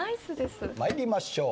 参りましょう。